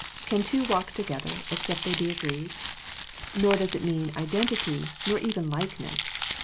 Can two walk to gether, except they be agreed? Nor does it mean identity, nor even likeness.